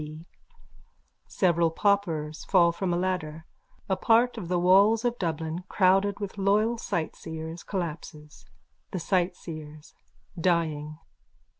B. Several paupers fall from a ladder. A part of the walls of Dublin, crowded with loyal sightseers, collapses.)_ THE SIGHTSEERS: _(Dying.)